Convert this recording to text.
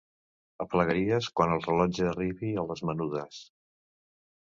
Aplegaries quan el rellotge arribi a les menudes.